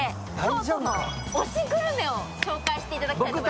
京都の推しグルメを紹介していただきます。